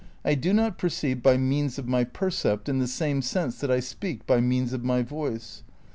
I do not perceive by means of my percept in the same sense that I speak by means of my voice.